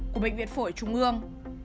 của bệnh viện phổi trung ương